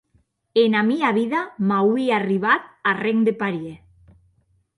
Ena mia vida m’auie arribat arren de parièr.